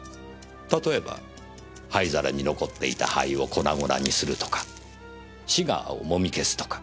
例えば灰皿に残っていた灰を粉々にするとかシガーを揉み消すとか。